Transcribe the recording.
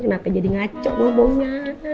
bu kenapa jadi ngacau ngomongnya